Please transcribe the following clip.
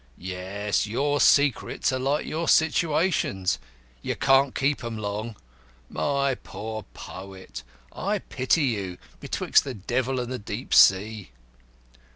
"Yes; your secrets are like your situations you can't keep 'em long. My poor poet, I pity you betwixt the devil and the deep sea."